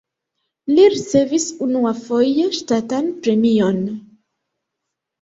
Li ricevis unuafoje ŝtatan premion.